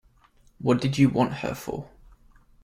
What did you want her for?